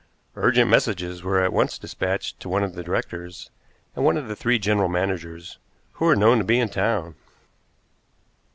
Urgent messages were at once dispatched to one of the directors and one of the three general managers, who were known to be in town.